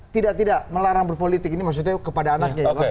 tidak tidak melarang berpolitik ini maksudnya kepada anaknya ya